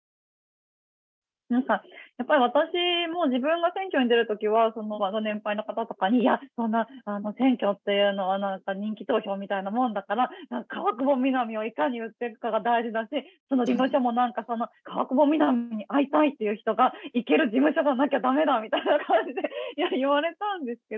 「やっぱり私も自分が選挙に出るときはご年配の方とかに『そんな選挙っていうのは何か人気投票みたいなものだから川久保皆実をいかに売っていくかが大事だし事務所も何か川久保皆実に会いたいっていう人が行ける事務所がなきゃ駄目だ』みたいな感じで言われたんですけど」。